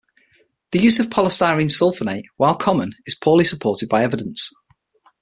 The use of polystyrene sulfonate, while common, is poorly supported by evidence.